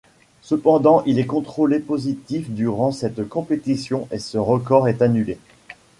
Cependant il est contrôlé positif durant cette compétition et ce record est annulé.